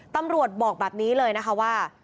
ตำรวจบอกแบบนี้เลยนะคะว่า